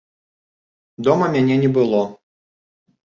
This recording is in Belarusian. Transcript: Дома мяне не было.